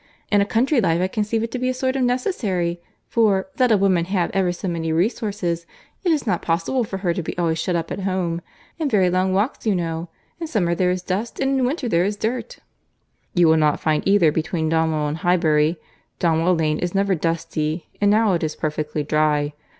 In a country life I conceive it to be a sort of necessary; for, let a woman have ever so many resources, it is not possible for her to be always shut up at home;—and very long walks, you know—in summer there is dust, and in winter there is dirt." "You will not find either, between Donwell and Highbury. Donwell Lane is never dusty, and now it is perfectly dry.